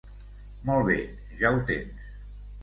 Molt bé, ja ho tens.